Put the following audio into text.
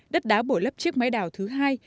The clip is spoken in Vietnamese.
đất đá bổ lấp chiếc máy đào thứ hai